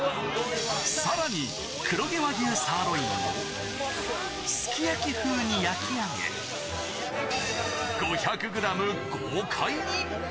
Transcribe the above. さらに黒毛和牛サーロインをすき焼き風に焼き上げ、５００グラム豪快に。